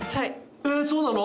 えそうなの？